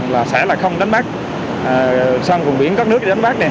là sẽ không đánh bác sang vùng biển các nước để đánh bác